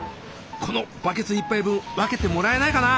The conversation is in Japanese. このバケツ１杯分分けてもらえないかな？